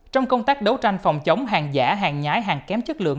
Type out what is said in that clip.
trong công tác đấu tranh phòng chống hàng giả hàng nhái hàng kém chất lượng